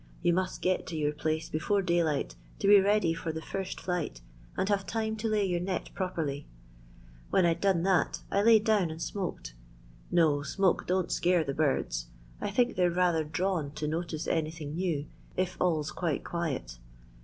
You must get to your place before daylight to be ready fur the first Sight, and have time to lay your net properly. When I'd done that, I lay down and smoked. No, smoke don't scare the birds ; I think thoy 're rather drawn to notice anything new, if all 's quite quiet.